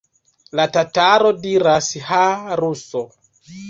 La tataro diras: Ha, ruso!